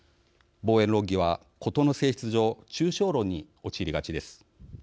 防衛論議は、事の性質上抽象論に陥りがちです。